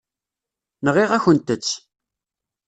Nɣiɣ-akent-tt.